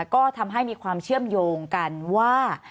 ก็ทำให้มีความเชื่อมโยงกันว่า